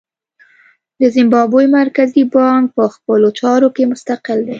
د زیمبابوې مرکزي بانک په خپلو چارو کې مستقل دی.